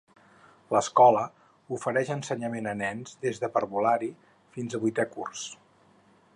L'escola ofereix ensenyament a nens des de parvulari fins a vuitè curs.